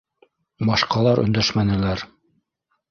Башҡалар өндәшмәнеләр.